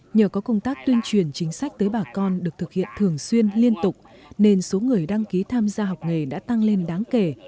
nhờ có công tác tuyên truyền chính sách tới bà con được thực hiện thường xuyên liên tục nên số người đăng ký tham gia học nghề đã tăng lên đáng kể